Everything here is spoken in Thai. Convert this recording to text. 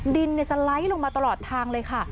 ดินสไลด์ลงมาตลอดทางเลยค่ะ